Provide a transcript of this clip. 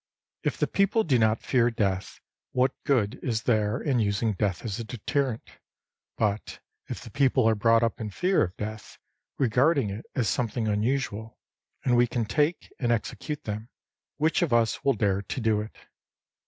If the people do not fear death, what good is there in using death as a deterrent ? But if the people are brought up in fear of death, regarding it as something unusual, and we can take and execute them, which of us will dare to do it